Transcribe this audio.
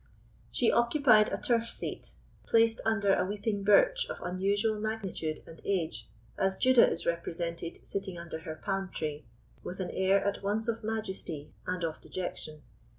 She occupied a turf seat, placed under a weeping birch of unusual magnitude and age, as Judah is represented sitting under her palm tree, with an air at once of majesty and of dejection.